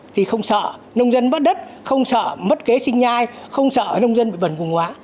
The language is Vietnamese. thì không sợ nông dân bớt đất không sợ mất kế sinh nhai không sợ nông dân bị bẩn vùng hóa